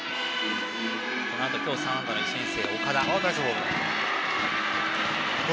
このあと今日３安打の１年生の岡田。